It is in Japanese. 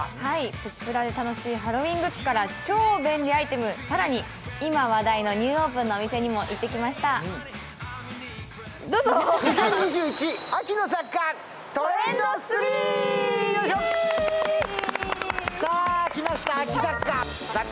プチプラで楽しいハロウィーングッズから超便利アイテム、更に今、今話題のニューオープンのお店にも行ってきました。来ました、秋雑貨！